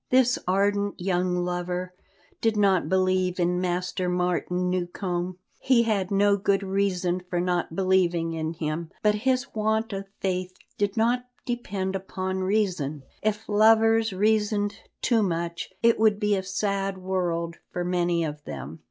This ardent young lover did not believe in Master Martin Newcombe. He had no good reason for not believing in him, but his want of faith did not depend upon reason. If lovers reasoned too much, it would be a sad world for many of them.